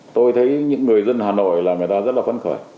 tôi thấy những người dân hà nội là người ta rất là phấn khởi